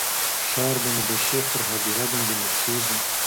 ښار به مو د شیخ پر هدیره باندي نڅیږي